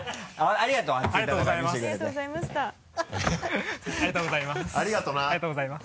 ありがとうございます。